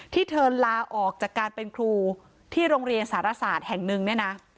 ที่เธอลาออกจากการเป็นครูที่โรงเรียนสารศาสตร์แห่งหนึ่งเนี่ยนะ